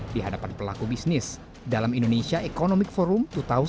di hadapan pelaku bisnis dalam indonesia economic forum dua ribu delapan belas